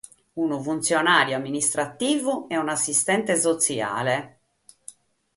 Unu funtzionàriu amministrativu e un'assistente sotziale.